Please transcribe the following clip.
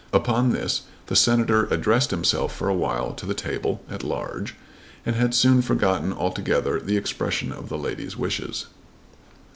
Upon this the Senator addressed himself for a while to the table at large and had soon forgotten altogether the expression of the lady's wishes.